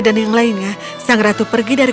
dan yang lainnya sang ratu pergi dari